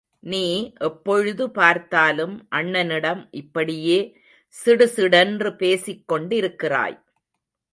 நீ எப்பொழுது பார்த்தாலும் அண்ணனிடம் இப்படியே சிடுசிடென்று பேசிக் கொண்டிருக்கிறாய்.